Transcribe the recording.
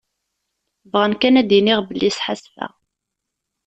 Bɣan kan ad d-iniɣ belli sḥassfeɣ.